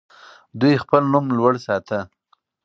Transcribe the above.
دوی خپل نوم لوړ ساته.